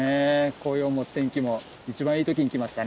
紅葉も天気も一番いい時に来ましたね。